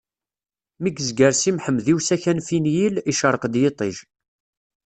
Mi yezger Si Mḥemmed i usaka n Finyil, icṛeq-d yiṭij.